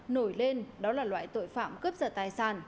nổi lên đó là loại tội phạm cướp giật tài sản